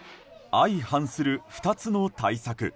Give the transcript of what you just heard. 相反する２つの対策。